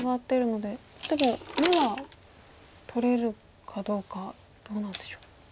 でも眼は取れるかどうかどうなんでしょう。